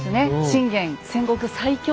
「信玄戦国最強説」